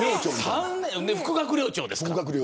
副学寮長ですから。